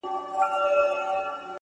گرانه شاعره له مودو راهسي _